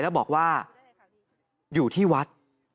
แล้วบอกว่าอยู่ที่วัด